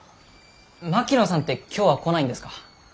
槙野さんって今日は来ないんですか？